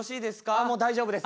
ああもう大丈夫です。